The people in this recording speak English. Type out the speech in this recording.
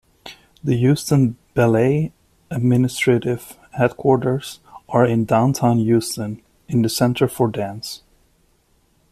The Houston Ballet administrative headquarters are in Downtown Houston, in the Center for Dance.